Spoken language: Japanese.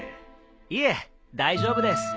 いえ大丈夫です。